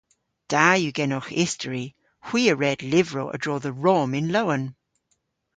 Da yw genowgh istori. Hwi a red lyvrow a-dro dhe Rom yn lowen.